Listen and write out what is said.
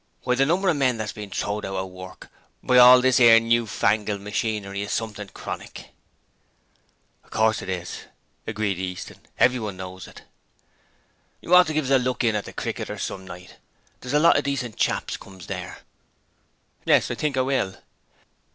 Why, the number of men what's been throwed out of work by all this 'ere new fangled machinery is something chronic!' 'Of course,' agreed Easton, 'everyone knows it.' 'You ought to give us a look in at the "Cricketers" some night. There's a lot of decent chaps comes there.' 'Yes, I think I will.'